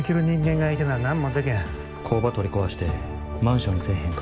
工場取り壊してマンションにせえへんか？